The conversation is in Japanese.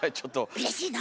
うれしいの？